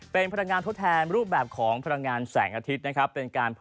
เป็นพลังงานทดแทนรูปแบบของพลังงานแสงอาทิตย์นะครับเป็นการผลิตกระแสไฟฟ้าเอาไว้ใช้ภายในบ้านนั่นเองครับ